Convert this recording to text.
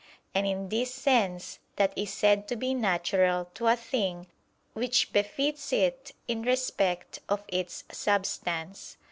And in this sense, that is said to be natural to a thing which befits it in respect of its substance.